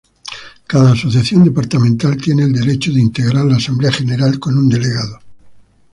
Cada Asociación Departamental tiene el derecho de integrar la Asamblea General con un delegado.